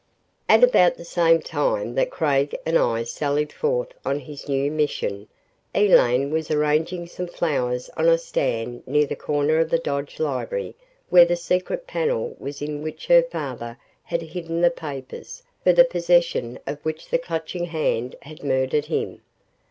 ........ At about the same time that Craig and I sallied forth on this new mission, Elaine was arranging some flowers on a stand near the corner of the Dodge library where the secret panel was in which her father had hidden the papers for the possession of which the Clutching Hand had murdered him.